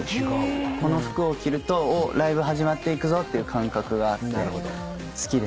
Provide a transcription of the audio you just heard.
この服を着るとおっライブ始まっていくぞっていう感覚があって好きですね。